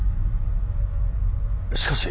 しかし。